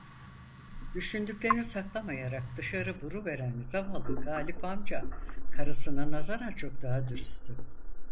Düşündüklerini saklamayarak dışarı vuruveren zavallı Galip amca, karısına nazaran çok daha dürüsttü.